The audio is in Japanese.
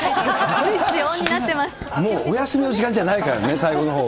もうお休みの時間じゃないからね、最後のほうは。